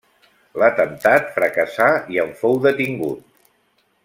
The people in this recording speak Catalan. L'atemptat fracassà i en fou detingut.